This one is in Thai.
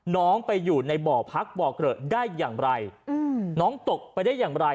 น้องไปอยู่ในบ่อพักบ่อเกลอะได้อย่างไรอืมน้องตกไปได้อย่างไร